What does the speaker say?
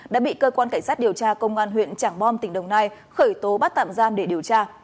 đã bị cơ quan cảnh sát điều tra công an huyện trảng bom tỉnh đồng nai khởi tố bắt tạm giam để điều tra